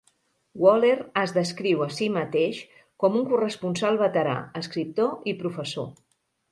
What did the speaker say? Waller es descriu a si mateix com un corresponsal veterà, escriptor i professor.